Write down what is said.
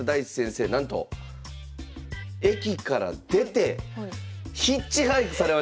なんと駅から出てヒッチハイクされました。